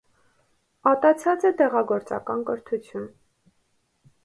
Ատացած է դեղագործական կրթութիւն։